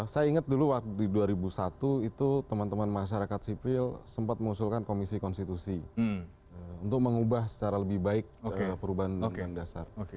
saya ingat dulu waktu di dua ribu satu itu teman teman masyarakat sipil sempat mengusulkan komisi konstitusi untuk mengubah secara lebih baik perubahan undang undang dasar